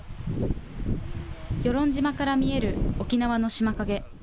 与論島から見える沖縄の島影。